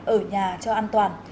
ở nhà cho an toàn